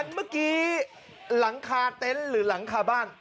เมื่อกี้หลังคาเต็นต์หรือหลังคาบ้าน